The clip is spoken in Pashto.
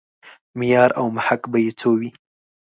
معیار او محک به یې څه وي.